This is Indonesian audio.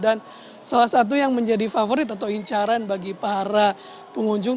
dan salah satu yang menjadi favorit atau incaran bagi para pengunjung